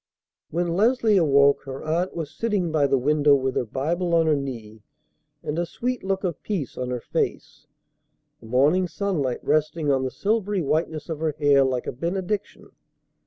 When Leslie awoke, her aunt was sitting by the window with her Bible on her knee and a sweet look of peace on her face, the morning sunlight resting on the silvery whiteness of her hair like a benediction.